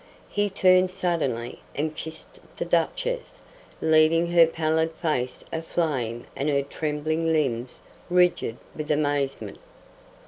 He turned suddenly, and kissed the Duchess, leaving her pallid face aflame and her trembling limbs rigid with amazement.